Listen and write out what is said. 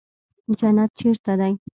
جنت چېرته دى.